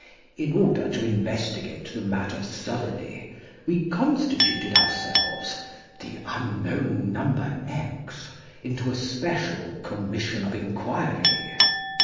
In order to investigate the matter thoroughly, we constituted ourselves (the unknown number x) into a special Commission of Inquiry.